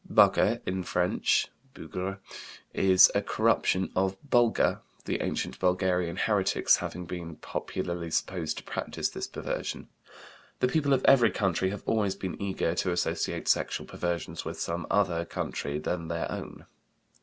"Bugger" (in French, bougre) is a corruption of "Bulgar," the ancient Bulgarian heretics having been popularly supposed to practise this perversion. The people of every country have always been eager to associate sexual perversions with some other country than their own.